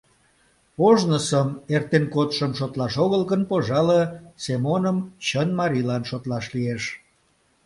Ожнысым, эртен кодшым, шотлаш огыл гын, пожале, Семоным чын марийлан шотлаш лиеш.